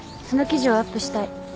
その記事をアップしたい。